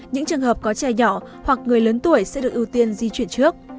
những trường hợp có trẻ nhỏ hoặc người lớn tuổi sẽ được ưu tiên di chuyển trước